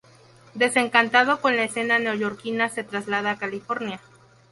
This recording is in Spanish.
Desencantado con la escena neoyorquina se traslada a California.